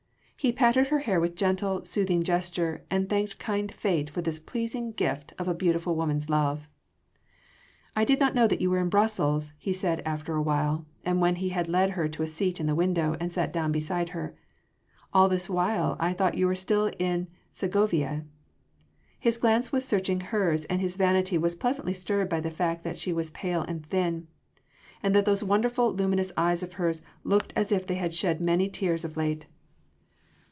He patted her hair with gentle, soothing gesture and thanked kind Fate for this pleasing gift of a beautiful woman’s love. "I did not know that you were in Brussels," he said after awhile, and when he had led her to a seat in the window, and sat down beside her. "All this while I thought you still in Segovia." His glance was searching hers and his vanity was pleasantly stirred by the fact that she was pale and thin, and that those wonderful, luminous eyes of hers looked as if they had shed many tears of late.